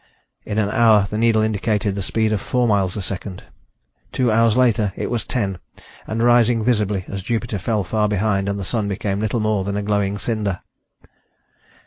In an hour the needle indicated the speed of four miles a second. Two hours later it was ten and rising visibly as Jupiter fell far behind and the Sun became little more than a glowing cinder.